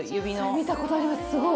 見たことあります！